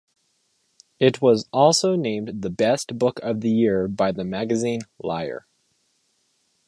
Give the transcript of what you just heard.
It was also named the best book of the year by the magazine "Lire".